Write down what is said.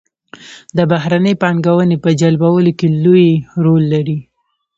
د بهرنۍ پانګونې په جلبولو کې لوی رول لري.